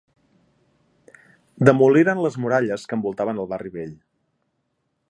Demoliren les muralles que envoltaven el barri vell.